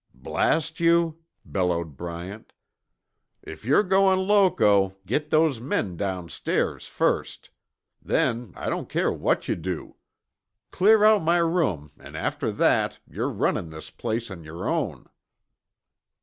"Blast yuh," bellowed Bryant. "If yer goin' loco, git those men downstairs first; then I don't care what yuh do! Clear out my room an' after that yer runnin' this place on yer own!"